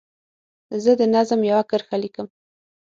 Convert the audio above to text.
زه د نظم یوه کرښه لیکم.